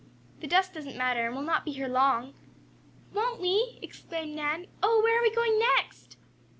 The dust doesn't matter, and we'll not be here long." "Won't we?" exclaimed Nan. "Oh, where are we going next?"